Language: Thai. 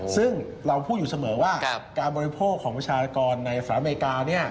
ซึ่งเราพูดอยู่เสมอว่าการบริโภคของประชากรในสหรัฐอเมริกา